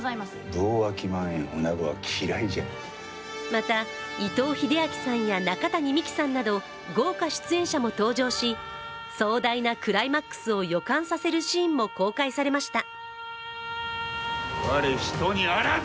また伊藤英明さんや中谷美紀さんなど豪華出演者も登場し壮大なクライマックスを予感させるシーンも公開されました。